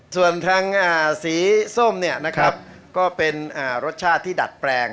ส่วนทางสีส้มเนี่ยนะครับก็เป็นรสชาติที่ดัดแปลง